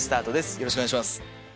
よろしくお願いします。